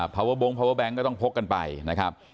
พาเวอร์บงพาเวอร์แบงค์ก็ต้องพกกันไปนะครับ